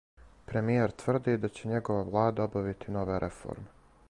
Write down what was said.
Премијер тврди да ће његова влада обавити нове реформе.